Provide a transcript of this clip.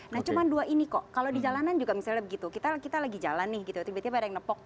nah cuma dua ini kok kalau di jalanan juga misalnya begitu kita lagi jalan nih gitu tiba tiba ada yang nepok